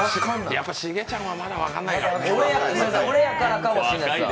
やっぱり重ちゃんは、まだ分かんないかな、若いね。